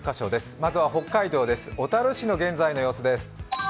まずは北海道です、小樽市の現在の様子です。